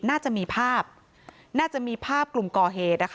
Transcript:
น่าจะมีภาพน่าจะมีภาพกลุ่มก่อเหตุ